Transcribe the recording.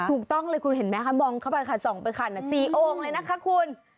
ถูกต้องเลยคุณเห็นไหมคะมองเข้าไปค่ะ๒ไปคัน๔โอ่งเลยนะคะคุณ